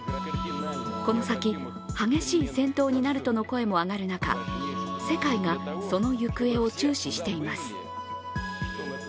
この先、激しい戦闘になるとの声も上がる中、世界がその行方を注視しています。